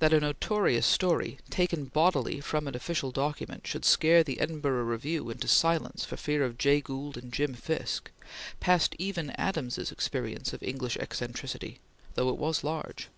That a notorious story, taken bodily from an official document, should scare the Edinburgh Review into silence for fear of Jay Gould and Jim Fisk, passed even Adams's experience of English eccentricity, though it was large.